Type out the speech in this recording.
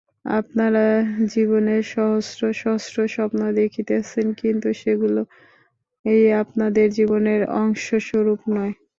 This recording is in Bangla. আপনারা জীবনে সহস্র সহস্র স্বপ্ন দেখিতেছেন, কিন্তু সেগুলি আপনাদের জীবনের অংশস্বরূপ নয়।